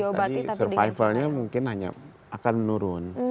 tadi survivalnya mungkin hanya akan menurun